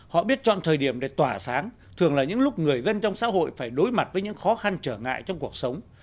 họ biết chọn thời điểm để tỏa sáng thường là những lúc người dân trong xã hội phải đối mặt với những khó khăn trở ngại trong cuộc sống